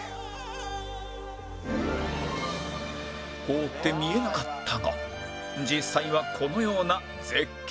凍って見えなかったが実際はこのような絶景池